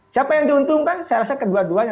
siapa yang diuntungkan saya rasa kedua duanya